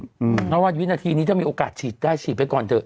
เพราะว่าวินาทีนี้ถ้ามีโอกาสฉีดได้ฉีดไปก่อนเถอะ